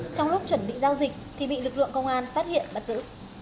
trong lúc chuẩn bị giao dịch thì bị lực lượng công an phát hiện bắt giữ